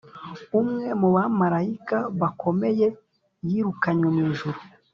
umwe mu bamarayika bakomeye yirukanywe mw’ijuru